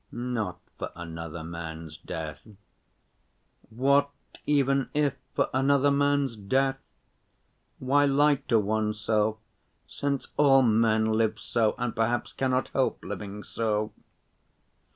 "Not for another man's death?" "What even if for another man's death? Why lie to oneself since all men live so and perhaps cannot help living so.